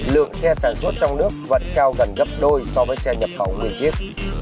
lượng xe sản xuất trong nước vẫn cao gần gấp đôi so với xe nhập khẩu nguyên chiếc